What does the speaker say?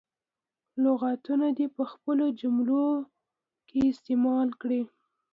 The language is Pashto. لغتونه دې په جملو کې استعمال کړي.